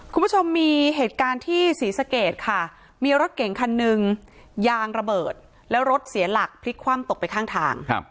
คุณผู้ชมมีเหตุการณ์ที่ศรีสะเกดค่ะมีรถเก่งคันหนึ่งยางระเบิดแล้วรถเสียหลักพลิกคว่ำตกไปข้างทาง